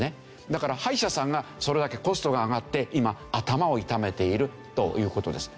だから歯医者さんがそれだけコストが上がって今頭を痛めているという事です。